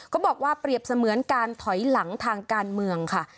ก็บอกว่าเปรียบเสมือนการถอยหลังทางการเมืองค่ะ